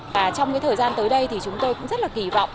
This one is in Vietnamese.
và trong cái thời gian tới đây thì chúng tôi cũng rất là kỳ vọng